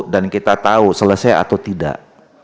dan kita tahu selesai atau tidak